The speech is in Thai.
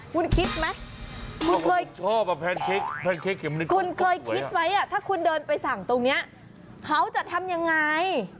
คุณคิดไหมคุณเคยคิดไหมถ้าคุณเดินไปสั่งตรงนี้เขาจะทำยังไง